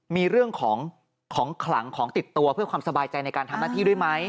มีเรื่องของของขลังของติดตัวเพื่อความสบายใจในการทำหน้าที่ด้วยไหม